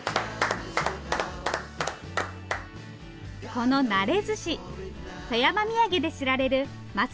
このなれずし富山土産で知られるます